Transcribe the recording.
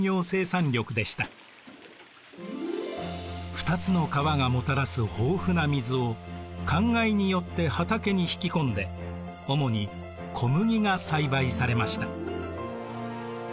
２つの川がもたらす豊富な水をかんがいによって畑に引き込んで主に小麦が栽培されました。